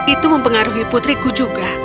itu mempengaruhi putriku juga